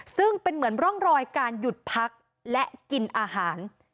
ซึ่งเป็นเหมือนร่องรอยการหยุดพักและกินอาหาร